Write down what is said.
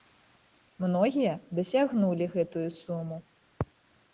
Многія дасягнулі гэтую суму.